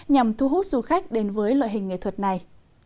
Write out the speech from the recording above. nhằm thu hút du khách đến với loại hình nghệ thuật này